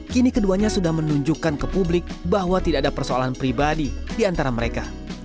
kini keduanya sudah menunjukkan ke publik bahwa tidak ada persoalan pribadi di antara mereka